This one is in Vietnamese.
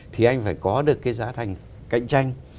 thì anh phải có được cái giá thành cạnh tranh